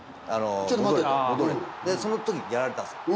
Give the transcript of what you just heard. そのときにやられたんですよ。